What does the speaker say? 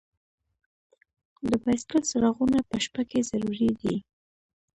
د بایسکل څراغونه په شپه کې ضروری دي.